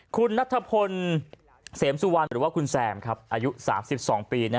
คุณณัฐพนเสมซวานหรือว่าคุณแซมอายุ๓๒ปี